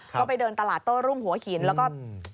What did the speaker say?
ก็ไปเดินตลาดโต้รุ่งหัวหินแล้วก็